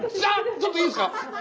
ちょっといいですか？